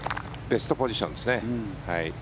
ベストポジションですね。